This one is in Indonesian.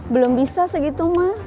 belum bisa segitu ma